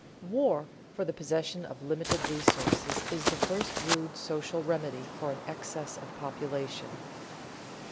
_War for the possession of limited resources is the first rude social remedy for an excess of population.